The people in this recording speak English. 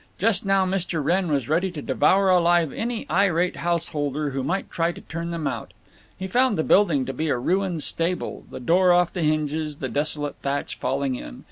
Just now Mr. Wrenn was ready to devour alive any irate householder who might try to turn them out. He found the building to be a ruined stable—the door off the hinges, the desolate thatch falling in.